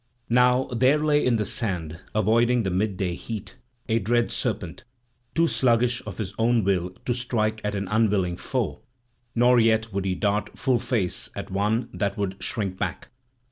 Now there lay in the sand, avoiding the midday heat, a dread serpent, too sluggish of his own will to strike at an unwilling foe, nor yet would he dart full face at one that would shrink back.